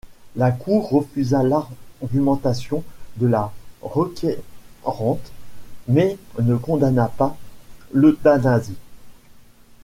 La Cour refusa l'argumentation de la requérante mais ne condamna pas l'euthanasie.